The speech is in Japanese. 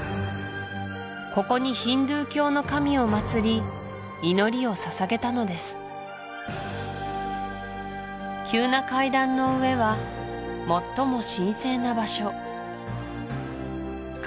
ここにヒンドゥー教の神を祀り祈りを捧げたのです急な階段の上は最も神聖な場所か